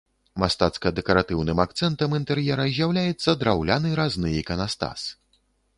Мастацка-дэкаратыўным акцэнтам інтэр'ера з'яўляецца драўляны разны іканастас.